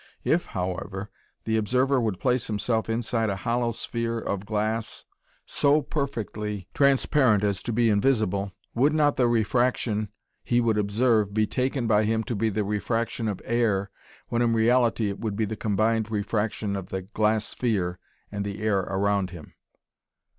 If, however, the observer would place himself inside a hollow sphere of glass so perfectly transparent as to be invisible, would not the refraction he would observe be taken by him to be the refraction of air when in reality it would be the combined refraction of the glass sphere and the air around him?